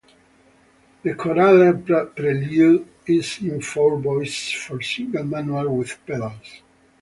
The chorale prelude is in four voices for single manual with pedals.